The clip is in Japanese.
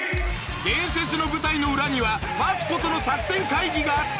伝説の舞台の裏にはマツコとの作戦会議があった